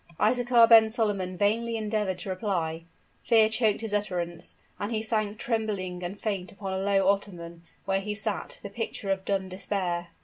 Isaachar ben Solomon vainly endeavored to reply; fear choked his utterance; and he sank trembling and faint upon a low ottoman, where he sat, the picture of dumb despair.